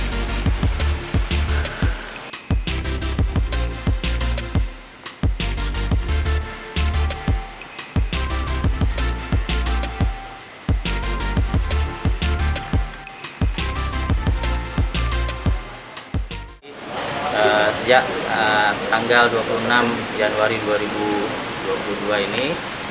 sejak tanggal dua puluh enam januari dua ribu dua puluh dua ini